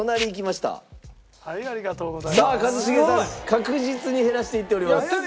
確実に減らしていっております。